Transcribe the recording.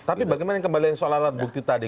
tapi bagaimana yang kembali lagi soal alat bukti tadi